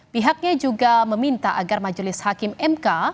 pihaknya juga meminta agar majelis hakim mk